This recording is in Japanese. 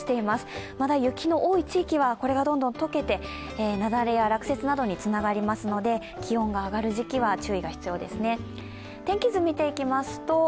まだ雪の多い地域は、これがどんどん解けて雪崩や落雪などにつながりますので、気温が上がる時期は注意が必要になりますね。